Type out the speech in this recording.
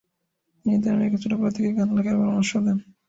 তিনি তাঁর মেয়েকে ছোটবেলা থেকেই গান লেখার পরামর্শ দেন।